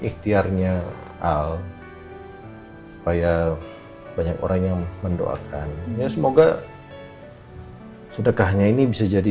ikhtiarnya al supaya banyak orang yang mendoakan ya semoga sedekahnya ini bisa jadi